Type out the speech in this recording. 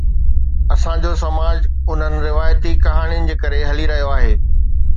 اسان جو سماج انهن روايتي ڪهاڻين جي ڪري هلي رهيو آهي